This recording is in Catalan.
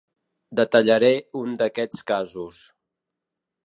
Detallaré un d’aquests casos.